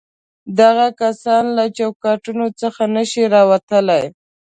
دغه کسان له چوکاټونو څخه نه شي راوتلای.